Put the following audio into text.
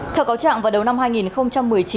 theo cáo trạng vào đầu năm hai nghìn một mươi chín